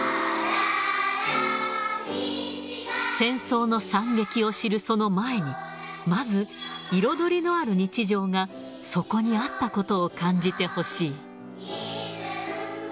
戦争の惨劇を知るその前に、まず、彩りのある日常がそこにあったことを感じてほしい。